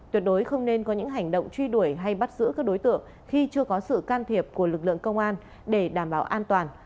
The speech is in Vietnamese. tuyệt đối không nên có những hành động truy đuổi hay bắt giữ các đối tượng khi chưa có sự can thiệp của lực lượng công an để đảm bảo an toàn